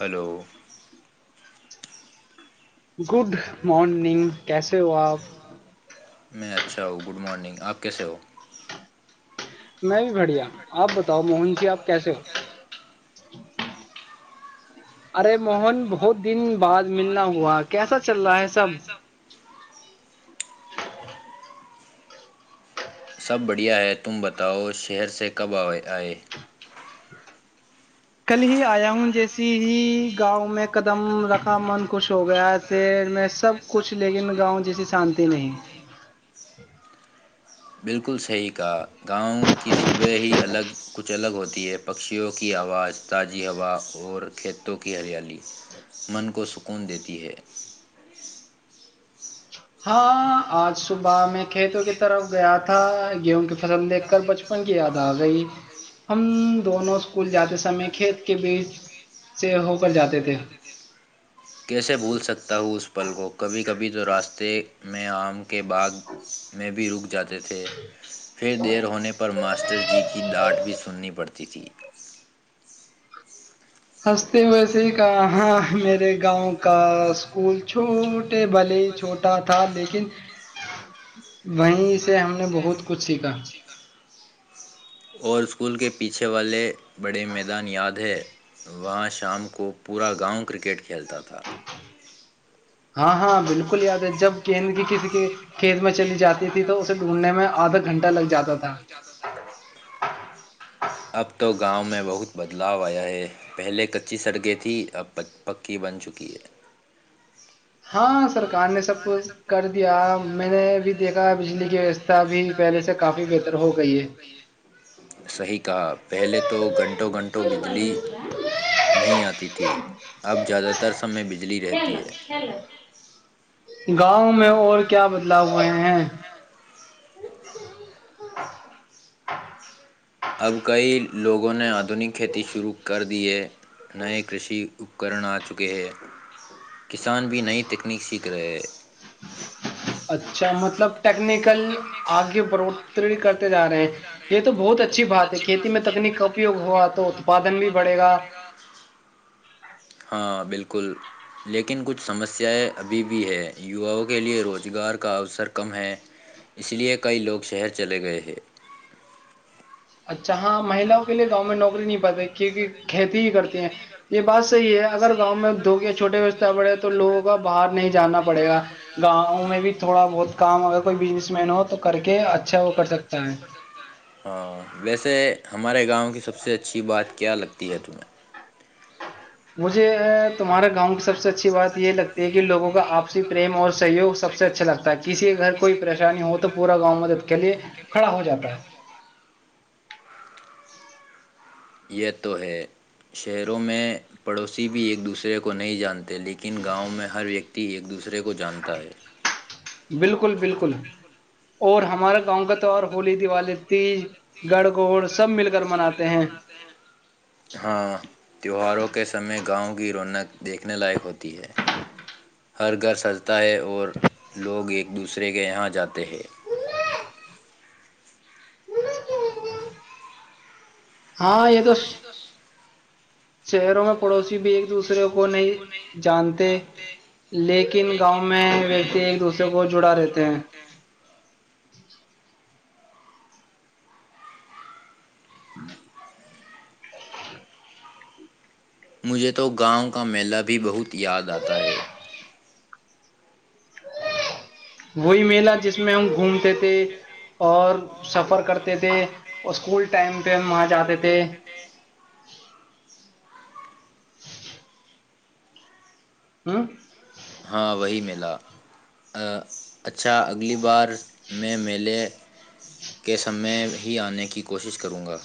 Hello good [inaudible] morning کیسے ہو آپ [inaudible] میں اچھا ہ گڈ مارننگ آپ کیسے ہو [inaudible] میں بھی بڑیا آپ بتاؤ موہن جی آپ کیسے ہو [unintelligible] ارے [inaudible] موہن بہت دن بعد ملنا ہوا کیسا چل رہا ہے سب [inaudible] سب بڑھیا ہے تم بتاؤ شہر سے کب آئے [unintelligible] کل ہی آیا ہوں جیسی ہی گاؤں میں قدم رکھا من خوش ہو گیا شیر میں سب کچھ لیکن گاؤں جیسی شانتی نہیں بالکل ہی کہ گاؤں کی صبح ہی الگ کچھ [inaudible] الگ ہوتی ہے پکشیوں کی ہوااز تازی ہوا اور کھیتوں کی ہریالی [inaudible] من کو سک [inaudible] کون دیتی ہے [inaudible] ہاں آج صبح میں کھیتوں کی طرف گیا تھا گیہوں کی فصل دیکھ کر بچپن کی یاد آ گئی ہم دونوں اسکول جاتے سمے کھیت کے بیچ سے ہو کر جاتے تھے [unintelligible] کیسے بھول سکتا ہوں اس پل کو کبھی کبھی تو راستے میں آم [inaudible] کے باغ میں بھی رک جاتے تھے پھر دیر ہونے پر ماسٹر جی کی ڈانٹ بھی سننی پڑتی تھی [inaudible] ہنستے ہوئے ھیکاں میرے [inaudible] گاؤں کا اسکول چھوٹے بھلے ہی چھوٹا تھا لیکن وہیں سے ہم نے بہت کچھ سیکھا [inaudible] اور اسکول کے پیچھے والے [unintelligible] بڑے میدان یاد ہے وہاں شام کو پورا گاؤں کرکٹ کھیلتا تھا [unintelligible] ہاں ہاں بالکل یاد ہے جب گد کی کسی کے کھیت میں چلی جاتی تھی تو اسے ڈھونڈنے میں آدھا گھنٹہ لگ جاتا تھا اب تو گاؤں میں بہت بدلاؤ آیا ہے پہلے کچی سڑکیں تھیں اب پکی بن چکی ہے ہاں سرکار نے صحی کہا پہلے تو گھنٹوں گھنٹوں بجلی نہیں آتی تھی اب زیادہ تر سمے بجلی رہتی ہے ہ گاؤں میں اور کیا بدلاؤ ہاں [inaudible] اب کئی لوگوں نےد آدنیک کھیتی شروع کر دی ہے نئے کرشی اپکرن آ چکے ہیں کسان بھی نئی تیکنیک سیکھ رہے ہیں ٹیکنیکل آگے پروت کرتے جا رہے ہیں یہ تو بہت اچھی بات ہے کھیتی میں تکنیک کا اپیوگ ہوا تو اتپادن بھی بڑھے گا بالکل لیکن کچھ سمسیایں ابھی بھی ہے یواؤں کے لیے روزگار کا اوسر کم ہے اس لیے کئی لوگ شہر چلے گئے ہیں اچھا ہاں مہلاں کے لیے گاؤں میں نوکری نہیں پاتے کیونکہ کھیتی ہی کرتی ہیں یہ یہ بات صحیح ہے اگر گاؤں میں د چھوٹے رشہ پڑے تو لوگوں کا باہر نہیں جانا پڑے گا گاؤں میں بھی تھوڑا بہت کام ہو کو بس م ہو تو کر کے اچھا وہ کر سکتے ہیں ویسے ہمارے گاؤں کی سب سے اچھی بات کیا لگتی ہے تمہیں مجھے ا تمہارے گاؤں کی سب سے اچھی بات یہ لگتی ہے کہ لگوں کا آپسی پرریم اور سہیوگ سب سے اچھا لگتا ہے کسی کے گھر کوئی پریشانی ہو تو پورا گاؤں مدد کے لیے کھڑا ہو جاتا ہے یہ تو ہے شہروں میں پڑوسی بھی ایک دوسرے کو نہیں جانتے لیکن گاؤں میں ہر ویکتی ت ایک دوسے بالکل بالکل اور ہمارا گونکت اور ہولی دیوالی تیج گڑ گوڑ سب مل کر مناتے ہیں ہاں تیواروں کے سمے گاؤں کی رونق دیکھنے لائق ہوتی ہے ہر گھر سجتا ہے اور لوگ ایک دوسرے کے یہاں جاتے ہیں ہاں یہ تو [inaudible] شہروں میں پڑوسی بھی ایک دوسرے کو نہیں جانتے لیک کن گاؤں میں ویکتی ایک دوسرے کو جڑا رہتے ہیں [inaudible] [inaudible] مجھے تو گاؤں کا میلہ بھی بہت یاد آتا ہے وہی میلہ جس میں ہم گھومتے تھے اور سفر کرتے تھے اور اسکول ٹائم پہ ہم وہاں جاتے تھے [inaudible] ہاں وہی میلہ اچھا اگلی بار میں میلے کے سمیں میں ہی آنے کی کوشش کروں گا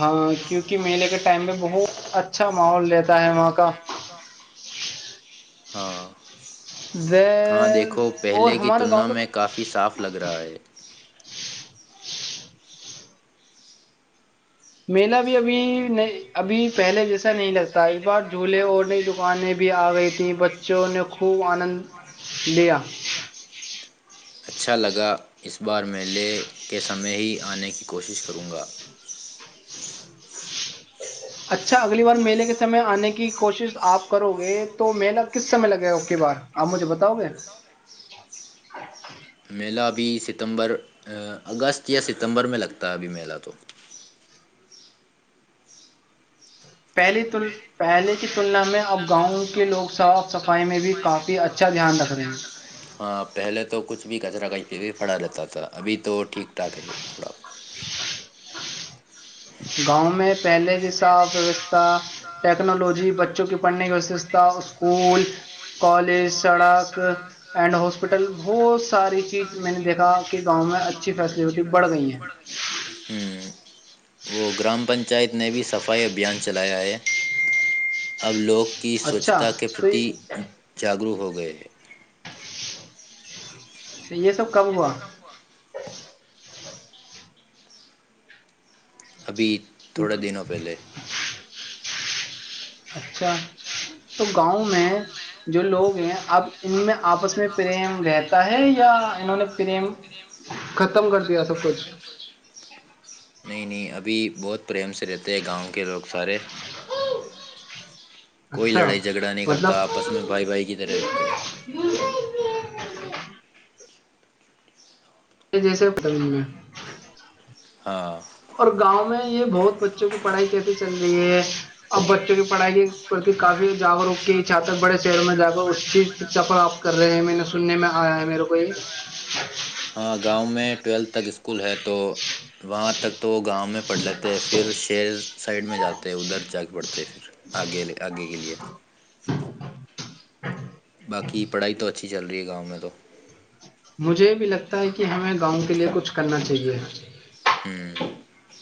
ہاں کیونکہ میلے کے ٹائم میں بہت اچھا ماحول رہتا رہتا ہے وہاں کا ہاں ہاں دیکھو پہلے کی تلنا میں کافی صاف لگ رہا ہے میلا بھی ابھی ابھی پہلے جیسا نہیں لگتا اس بار جھولے اور نئی دکانیں بھی آ گئی تیں بچوں نے خوب آنند لیا اچھا لگا اس بار میلے کے سمیں ہی آنے کی کوشش کروں گا اچھا اگلی بار میلے کے سمے آنے کی کوشش آپ کرو گے تو میلہ کس سمے لگے گا اب کی بار آپ مجھے بتاؤ گے میلہ ابھی ستمبر اگست یا ستمبر میں لگتا ہے ابھی میلہ تو پہلی پہلے کی تلنا میں اب گاؤں کے لوگ صاف صفائی میں بھی کافی اچھا دھیان رکھ رہے ہیں ہاں پہلے تو کچھ بھی کچرا کچپ بھی پھڑا رہتا تھا ابھی تو ٹھیک ٹھاک ہے تھوڑا گاؤں میں پہلے کی صاف ویوستھا ٹیکنالوجی بچوں کی پڑھنے کی وششتا اسکول کالج سڑک اینڈ ہاسپٹل بہت ساری چیز میں نے دیکھا کہ گاؤں میں اچھی فیسلٹی بڑھ گئی ہیں ہمم۔ وہ گرام پن پنچایت نے بھی صفائی ابھیان چلایا ہے اب لوگ کی سوچھتا کے پرتی جاگروک ہوگا یہ یہ سب کب ہوا ابھی تھوڑے دنوں پہلے اچھا تو گاؤں میں جو لوگ ہیں اب ان میں آپس میں پریم رہتا ہے یا انہوں نے پرریم ختم کر دیا سب کچھ ابھی بہت پریم سے رہتے ہیں گاؤں کے لوگ سارے کوئی لڑائی جھگڑا نہیں کرتا آپس میں بھائی بھائی کی طرح رہتے ہے جیسے میں ہاں اور گاؤں میں یہ بہت بچوں کی پڑھائی کیسی چل رہی ہے اب بچوں کی پڑھائی کے پرتی کافی جاگرک کی چھا تر بڑے شہر میں جا کر اچھی شا پراپت کر رہے ہیں میں نے سننے میں آیا ہے میرے کو یہ ہاں گاؤں میں ٹویلتھ تک اسکول ہے تو وہاں تک تو وہ گاؤں میں پڑھ لیتے ہیں پھر شہر سائڈ میں جاتے ہیں ادھر جا کے پڑھتے پھر آگےے آگے کے لیے باقی پڑھائی تو اچھی چل رہی ہے گاؤں میں تو مجھے بھی لگتا ہے کہ ہمیں گاؤں کے لئے کچھ کرنا چاہیے ہممم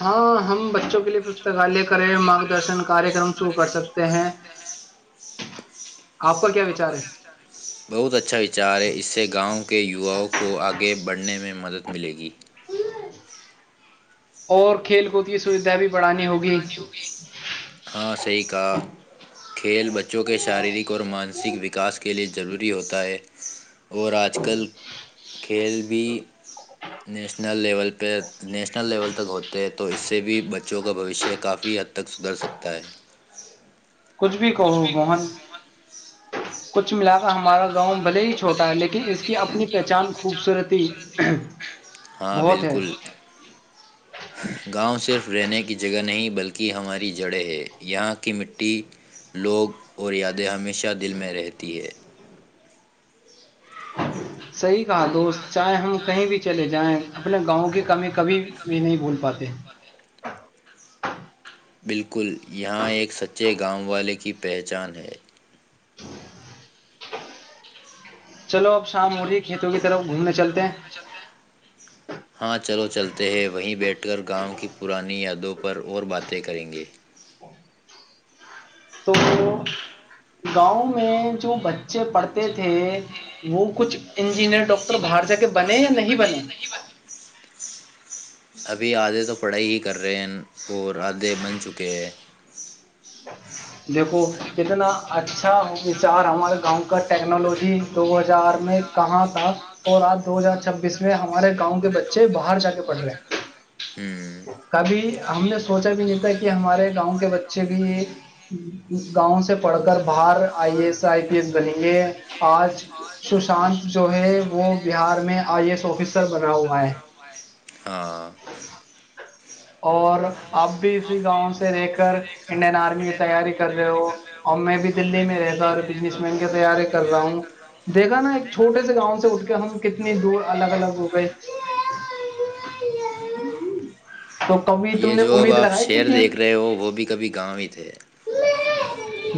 ہاں ہم بچوں کے لیے پستکالیہ کریں مارگ درشن کار کررم شروع کر سکتے ہیں آپ کا کیا وچار ہے بہت اچھا وچار ہے اس سے گاؤں کے یواؤں کو آگے بڑھنے میں مدد ملے گی اور کھیل کود کی سوھدا بھی بڑھانی ہوگی ہاں صحیح کہا کھیل ب بچوں کے شارییرک اور مانسک وکا کے کے لیے ضروری ہوتا ہے اور آج کل کھیل بھی نیشنل لیول پہ نیشنل لیول تک ہوتے ہیں تو اس سے بھی بچوں کا بھشیہ کافی حد تک سدھر سکتا ہے تین کچھ بھی کہو موہن کچھ ملاوا ہمارا گاؤں بھل ہی چ چھوٹا ہے لیکن اس کی اپنی پہچان خوبصورتی ہ ہاں بالکل گاؤں صرف صرف رہنے کی جگہ نہیں بلکہ ہماری جڑیں ہے یہاں کی مٹی لوگ اور یادیں ہمیشہ دل میں رہتی ہے صحیح کہا دوست چاہے ہم کہیں بھی چلے جائیں اپنے گاؤں کی کمی کبھی بھی نہیں بھول پاتے بالکل یہاں ایک سچے گاؤں والے کی پہچان ہے چلو اب شام ہو رہی ہے کھیتوں کی طرف گھومنے چلتے ہیں [unintelligible] ہاں چلو چلتے ہیں وہیں بیٹھ کر گاؤں کی پرانی یادوں پر اور باتیں کریں گے ا [unintelligible] تو گاؤں میں جو بچے پڑھتے تھے وہ کچھ انجینئر ڈاکٹر باہر جا کے بنے یا نہیں بنے ابھی آدھے تو پڑھائی ہی کر رہے ہیں اور آدھے بن چکے ہیں دیکھو اتنا اچھاچار ہمارے گاؤں کا ٹیکنالوجی دو ہزار میں کہاں تھا اور آج دو ہزار چھبیس میں ہمارے گاؤں کے بچے باہر جا کے پڑھ رہے کبھی ہم نے سوچا بھی نہیں تھا کہ ہمارا گاؤں کے بچے بھی گاؤں سے پڑھ کر باہر آئی ایس آئی پ ای بنی ہے آج سشانت جو ہے وہ بہار میں آئی اے ایس آفسر بنا ہوا ہے ہاں اور آپ بھی اسی گاؤں سے رہے کر انڈین آرمی کی تیاری کر رہے ہو اور میں بھی دللی میں بزنس مین کے تیار کر رہا ہوں دیکھا نا ایک چھوٹے سے گاؤں سے اٹ کے ہم کتنی دور الگ الگ ہو گئے یہ جو اب آپ شہر دیکھ رہے ہو وہ بھی کبھی گاؤں ہی تھے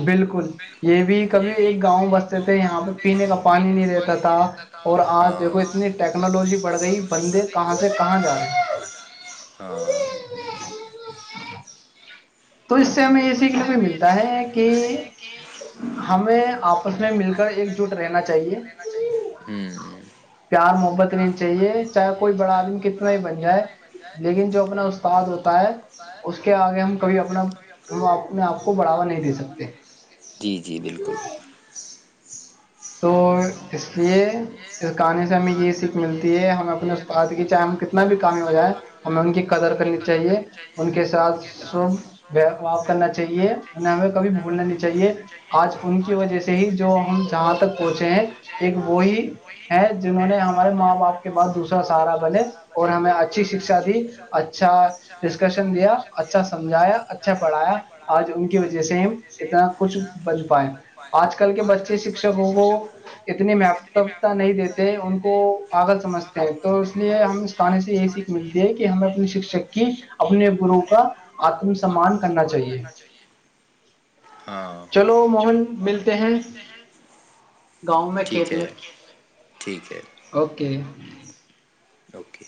بالکل یہ بھی کبھی ایک گاؤں بستے تھے یہاں پہ پینے کا پانی نہیں رہتا تھا اور آج دیکھو اتنی ٹیکنالوجی بڑھ گئی بندے کہاں سے کہاں جا رہے ہاں تو اس سے ہمیں یہ سیکھنے بھی ملتا ہے کہ ہمیں آپس میں مل کر ایک جٹ رہنا چاہیے پیار محبت نہیں چاہیے چاہے کوئی بڑا آدمی کتنا ہی بن جائے لیکن جو اپنا استاد ہوتا ہے اس کے آگے ہم کبھی اپنا اپنے آپ کو بڑھاوا نہیں دے سکتے تو اس لیے اس گانے سے ہمیں یہ سیکھ ملتی ہے ہمیں اپنے استاد کی چاہے ہم کتنا بھی کام ہو جائے ہمیں ان کی قدر کرنی چاہیے ان کے ساتھ سب ب کرنا چاہیے انہیں ہمیں کبھی بھولنا نہیں چاہیے آج ان کی وجہ سے ہی جو ہم تک پہنچے ہیں ایک وہی ہیں جو ہمارے ماں باپ کے بعد دوسرا سہارا بنے اور ہمیں اچھی شکھا دی اچھا ڈسکشن دیا اچھا سمجھایا اچھا پڑھایا آج ان کی وجہ سے ہم اتنا کچھ بن پائے آج کل کے بچے شککوں کو اتنی مبتا نہیں دیتے ان کو کو پاگل سمجھتے ہیں تو اس لیے ہم اس کہانی سے یہی سیکھ ملتی ہے کہ ہمیں اپنے شکشک کی اپنے گرو کا آتم سمان کرنا چاہیے چلو موہن ملتے ہیں گاؤں میں کھیت میں اوکے اوکے